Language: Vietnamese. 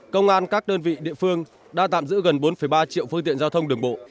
công an các đơn vị địa phương đã tạm giữ gần bốn ba triệu phương tiện giao thông đường bộ